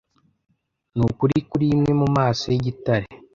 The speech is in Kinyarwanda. Nukuri kuri imwe mumaso yigitare